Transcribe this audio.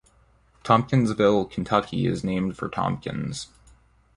Tompkinsville, Kentucky, is named for Tompkins.